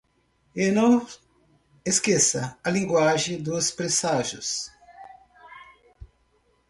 E não esqueça a linguagem dos presságios.